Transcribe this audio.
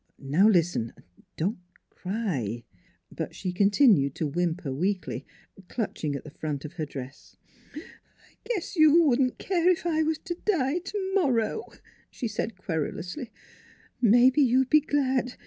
Now, listen. ... Don't cry!" But she continued to whimper weakly, clutching at the front of her dress. " I guess you wouldn't care if I was to die to morrow," she said querulously. " Maybe you'd be glad.